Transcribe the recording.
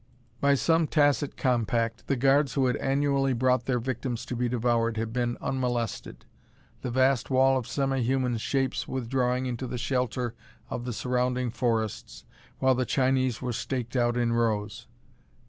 By some tacit compact, the guards who had annually brought their victims to be devoured had been unmolested, the vast wall of semi human shapes withdrawing into the shelter of the surrounding forests while the Chinese were staked out in rows.